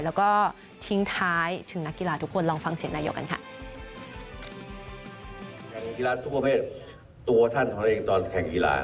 แล้วก็ทิ้งท้ายถึงนักกีฬาทุกคนลองฟังเสียงนายกกันค่ะ